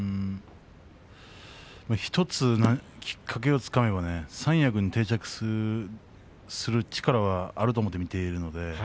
１つきっかけをつかめば三役に定着する力はあると思って見ています。